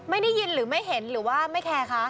ได้ยินหรือไม่เห็นหรือว่าไม่แคร์คะ